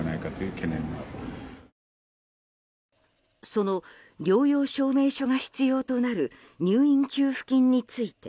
その療養証明書が必要となる入院給付金について